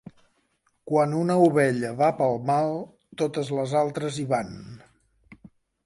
Quan una ovella va pel mal, totes les altres hi van.